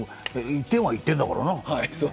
１点は１点だからな。